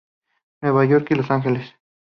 Nueva York y Los Ángeles.